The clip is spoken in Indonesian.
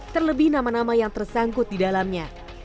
terlebih nama nama yang tersangkut di dalamnya